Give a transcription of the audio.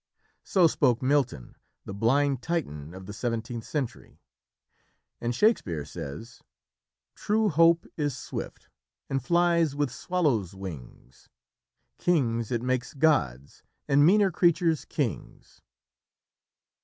So spoke Milton, the blind Titan of the seventeenth century; and Shakespeare says: "True hope is swift, and flies with swallow's wings; Kings it makes gods, and meaner creatures kings."